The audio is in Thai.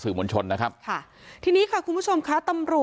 ซึ่งแต่ละคนตอนนี้ก็ยังให้การแตกต่างกันอยู่เลยว่าวันนั้นมันเกิดอะไรขึ้นบ้างนะครับ